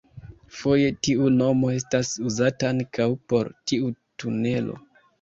Foje tiu nomo estas uzata ankaŭ por tiu tunelo.